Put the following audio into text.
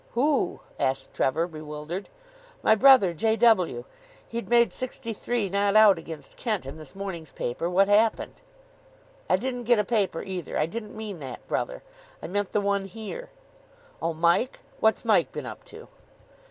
"Who?" asked Trevor, bewildered. "My brother, J. W. He'd made sixty three not out against Kent in this morning's paper. What happened?" "I didn't get a paper either. I didn't mean that brother. I meant the one here." "Oh, Mike? What's Mike been up to?"